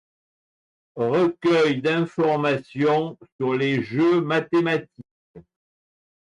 Recueil d'informations sur les jeux mathématiques.